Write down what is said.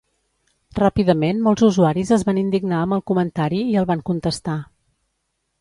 Ràpidament molts usuaris es van indignar amb el comentari i el van contestar.